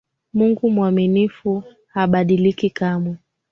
Mungu mwaminifu habadiliki kamwe.